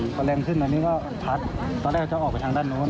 พอแรงขึ้นอันนี้ก็พัดตอนแรกก็จะออกไปทางด้านโน้น